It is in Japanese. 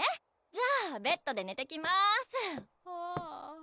じゃあベッドでねてきます